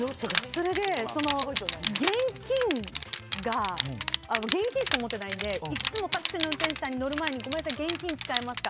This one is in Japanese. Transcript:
それで現金が、現金しか持ってないんで、いっつもタクシーの運転手さんに、乗る前に、ごめんなさい、現金使えますか？